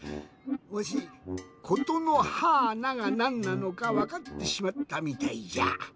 わし「ことのはーな」がなんなのかわかってしまったみたいじゃ。